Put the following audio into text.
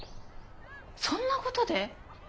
そんなことで？